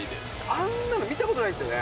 あんなの見たことないですね。